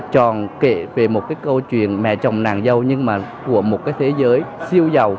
tròn kể về một câu chuyện mẹ chồng nàng dâu nhưng mà của một thế giới siêu giàu